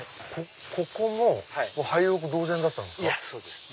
ここも廃屋同然だったんですか？